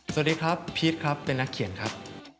สวัสดีครับพีชครับเป็นนักเขียนครับ